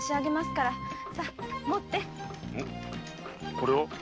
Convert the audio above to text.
これは？